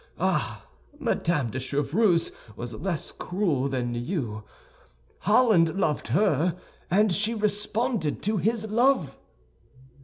Ah, Madame de Chevreuse was less cruel than you. Holland loved her, and she responded to his love."